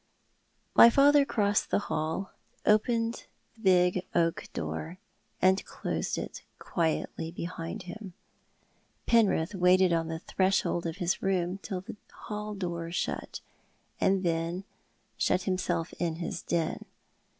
My father crossed the hall, opened the big oak door, and closed it quietly behind him. Penrith waited on the threshold of his room till the hall door shut, and then shut himself in his den.